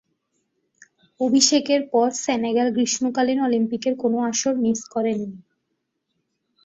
অভিষেকের পর সেনেগাল গ্রীষ্মকালীন অলিম্পিকের কোন আসর মিস করেনি।